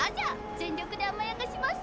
全力で甘やかします！